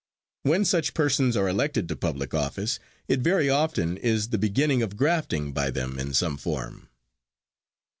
When such persons are elected to public office it very often is the beginning of grafting by them in some form.